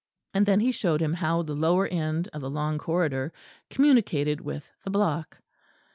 And then he showed him how the lower end of the long corridor communicated with the block.